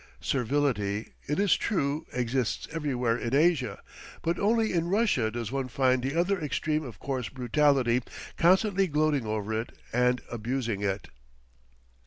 Servility, it is true exists everywhere in Asia, but only in Russia does one find the other extreme of coarse brutality constantly gloating over it and abusing it.